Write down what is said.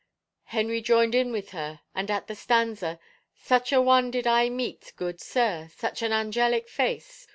Henry joined in with her, and at the stanza. Such a one did I meet, good sir. Such an angelic face.